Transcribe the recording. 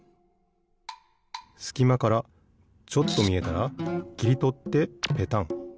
すきまからちょっとみえたらきりとってペタン。